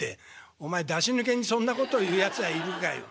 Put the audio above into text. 「お前出し抜けにそんなこと言うやつがいるかよ。